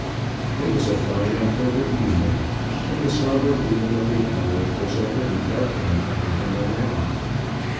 It was a fine October evening, and the sombre gloom of the hours was already darkening everything around.